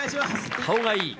顔がいい。